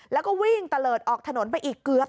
แล้วก็วิ่งตะเลิศออกถนนไปอีกเกือบ